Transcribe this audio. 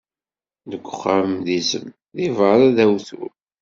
Deg uxxam d izem, di beṛṛa d awtul.